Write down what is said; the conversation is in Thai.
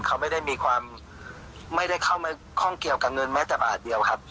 เขาไม่ได้เข้ามาข้องเกี่ยวกับเงินแม้แต่บาทเดียวครับ